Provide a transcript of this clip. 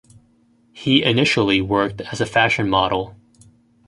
He initially worked as a fashion model.